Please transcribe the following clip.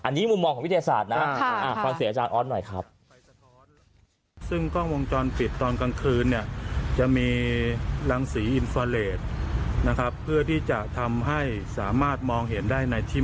อันนี้มุมมองของวิทยาศาสตร์นะ